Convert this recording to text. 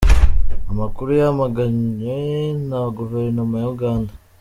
Amakuru yamagaywe na guverinoma ya Uganda.